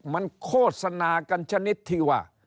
มันโคตรสนากันชะนิดที่ว่า